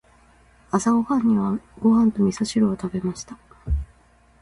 朝食にはご飯と味噌汁を食べました。